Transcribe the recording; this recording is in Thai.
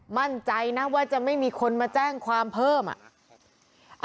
มั่นใจนะว่าจะไม่มีคนมาแจ้งความเพิ่มอ่ะ